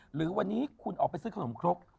หรือวันนี้คุณออกไปซื้อขนมครก